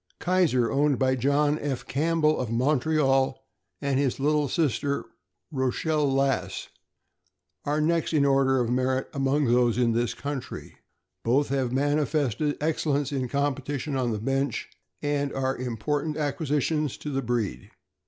Kaiser, owned by John F. Campbell, of Montreal, and his litter sister, Rochelle Lass, are next in order of merit among those in this country. Both have manifested excellence in competition on the bench, and are important acquisitions to the breed.